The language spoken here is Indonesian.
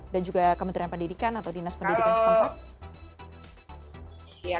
dan juga kementerian pendidikan atau dinas pendidikan setempat